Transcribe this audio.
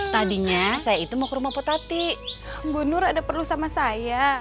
tadinya saya itu mau ke rumah potati bu nur ada perlu sama saya